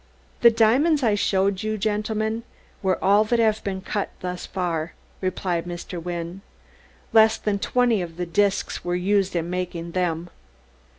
"The diamonds I showed you gentlemen were all that have been cut thus far," replied Mr. Wynne. "Less than twenty of the disks were used in making them.